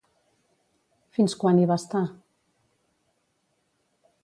Fins quan hi va estar?